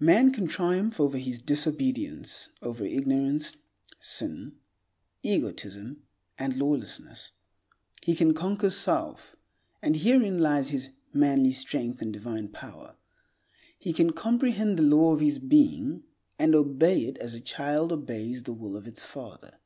Man can triumph over his disobedience, over ignorance, sin, egotism, and lawlessness. He can conquer self; and herein lies his manly strength and divine power. He can comprehend the law of his being, and obey it as a child obeys the will of its father.